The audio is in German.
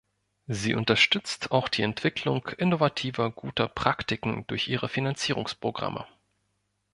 Sie unterstützt auch die Entwicklung innovativer, guter Praktiken durch ihre Finanzierungsprogramme.